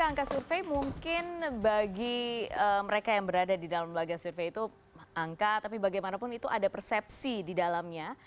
angka survei mungkin bagi mereka yang berada di dalam lembaga survei itu angka tapi bagaimanapun itu ada persepsi di dalamnya